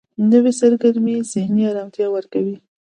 نوې سرګرمي ذهني آرامتیا ورکوي